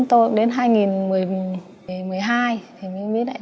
thì mới lại